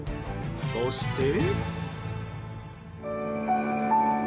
そして。